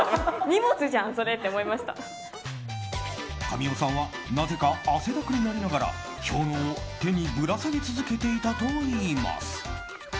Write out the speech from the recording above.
神尾さんはなぜか汗だくになりながら氷のうを手にぶら下げ続けていたといいます。